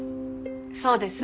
そうです。